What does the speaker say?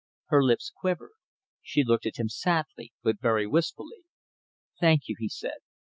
Her lips quivered. She looked at him sadly, but very wistfully. "Thank you!" he said.